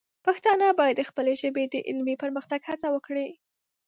پښتانه باید د خپلې ژبې د علمي پرمختګ هڅه وکړي.